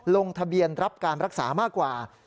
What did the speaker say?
ลงทะเบียนรับการรักษามากกว่า